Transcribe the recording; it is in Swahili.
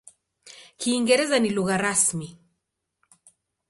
Kiingereza ni lugha rasmi.